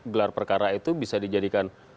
gelar perkara itu bisa dijadikan